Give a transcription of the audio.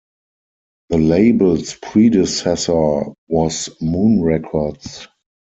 The label's predecessor was Moon Records.